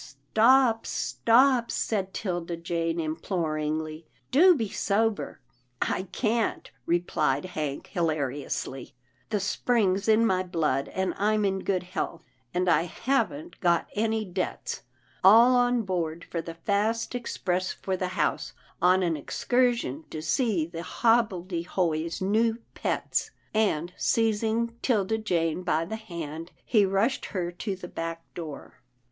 stop, stop," said 'Tilda Jane imploringly, " do be sober." " I can't," replied Hank, hilariously, " the spring's in my blood, and I'm in good health, and I haven't PERLETTA'S PETS 217 got any debts — All on board for the fast express for the house, on an excursion to see Hobblede hoy's new pets," and, seizing 'Tilda Jane by the hand, he rushed her to the back door.